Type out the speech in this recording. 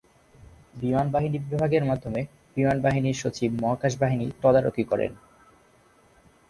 বিমান বাহিনী বিভাগের মাধ্যমে বিমান বাহিনীর সচিব মহাকাশ বাহিনী তদারকি করেন।